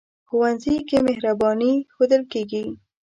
ښوونځی کې مهرباني ښودل کېږي